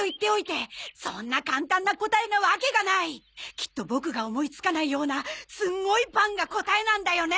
きっとボクが思いつかないようなすごい「パン」が答えなんだよね？